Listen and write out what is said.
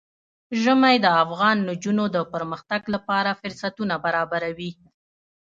ژمی د افغان نجونو د پرمختګ لپاره فرصتونه برابروي.